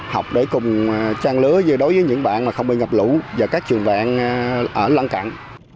học để cùng trang lứa như đối với những bạn mà không bị ngập lũ và các trường vạn ở lăng cạn